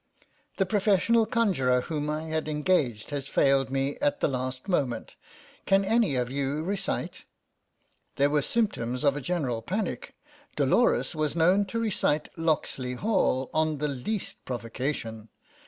"The professional conjurer whom I had engaged has failed me at the last moment. Can any of you recite ?" There were symptoms of a general panic. Dolores was known to recite " Locksley Hall " on the least provocation.